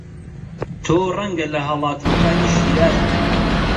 تۆ ڕەنگە لە هەڵاتووەکانی شیراز بی